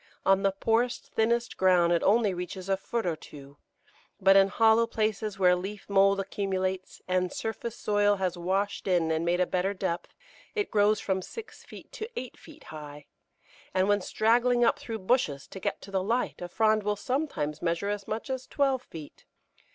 On the poorest, thinnest ground it only reaches a foot or two; but in hollow places where leaf mould accumulates and surface soil has washed in and made a better depth, it grows from six feet to eight feet high, and when straggling up through bushes to get to the light a frond will sometimes measure as much as twelve feet.